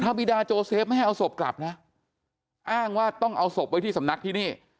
บีดาโจเซฟไม่ให้เอาศพกลับนะอ้างว่าต้องเอาศพไว้ที่สำนักที่นี่